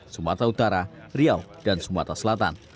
sumatera utara riau dan sumatera selatan